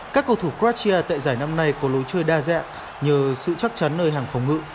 các cầu thủ cratia tại giải năm nay có lối chơi đa dạng nhờ sự chắc chắn nơi hàng phòng ngự